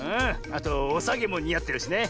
あとおさげもにあってるしね。